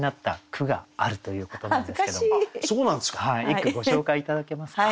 一句ご紹介頂けますか？